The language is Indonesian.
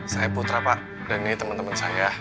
saya putra pak dan ini temen temen saya